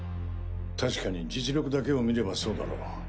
確かに実力だけを見ればそうだろう。